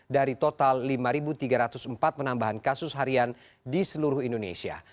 dari total lima tiga ratus empat penambahan kasus harian di seluruh indonesia